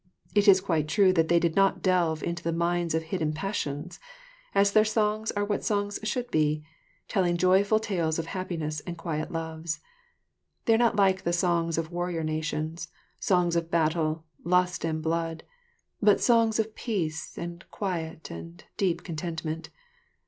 It is quite true that they did not delve deep into the mines of hidden passions, as their songs are what songs should be, telling joyful tales of happiness and quiet loves. They are not like the songs of warrior nations, songs of battle, lust and blood, but songs of peace and quiet and deep contentment.